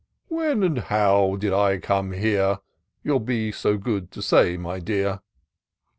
—" When and how did I come here? YouTl be so good to say, my dear."